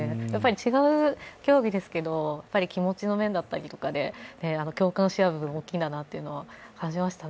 違う競技ですけど、気持ちの面だったりで、共感し合う部分が大きいんだなというのはありましたね。